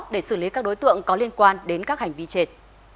để xử lý các đối tượng có liên quan đến các hành vi trên